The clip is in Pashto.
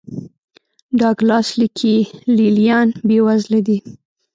ډاګلاس لیکي لې لیان بېوزله دي.